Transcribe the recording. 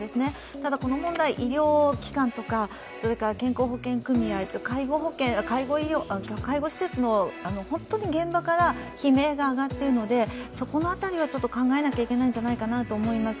ただこの問題、医療機関とか健康保険組合、介護施設の本当に現場から悲鳴が上がっているので、そこの辺りはちょっと考えなきゃいけないんじゃないかなと思います。